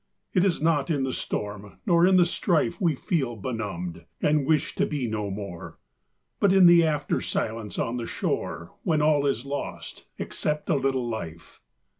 It is not in the storm nor in the strife We feel benumbed, and wish to be no more, But in the after silence on the shore, When all is lost, except a little life.